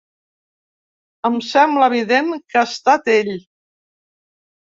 Em sembla evident que ha estat ell.